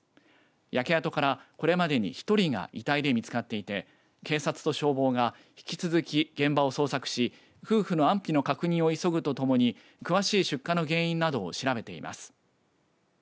焼け跡から、これまでに１人が遺体で見つかっていて警察と消防が引き続き現場を捜索し夫婦の安否の確認を急ぐとともに詳しい出火の原因などを調べています。